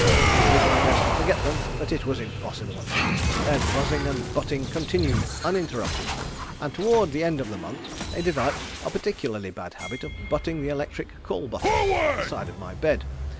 I did my best to forget them, but it was impossible. Their buzzing and butting continued uninterrupted, and toward the end of the month they developed a particularly bad habit of butting the electric call button at the side of my bed.